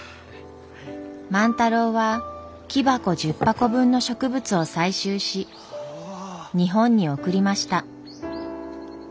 万太郎は木箱１０箱分の植物を採集し日本に送りました。